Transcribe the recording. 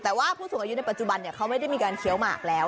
แต่ว่าผู้สูงอายุในปัจจุบันเขาไม่ได้มีการเคี้ยวหมากแล้ว